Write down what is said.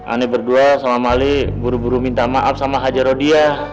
aneh berdua sama malik buru buru minta maaf sama hajar rodia